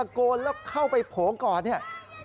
น้องเฮ้ยน้องเฮ้ย